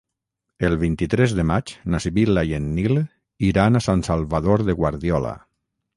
El vint-i-tres de maig na Sibil·la i en Nil iran a Sant Salvador de Guardiola.